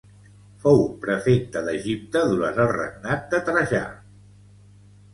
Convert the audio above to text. Fou prefecte d’Egipte durant el regnat de Trajà.